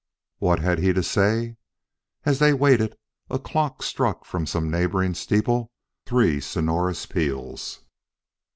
What had he to say? As they waited, a clock struck from some neighboring steeple three sonorous peals!